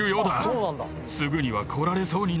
すぐには来られそうにない。